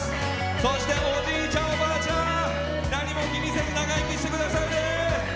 そしておじいちゃん、おばあちゃん何も気にせず長生きしてくださいね！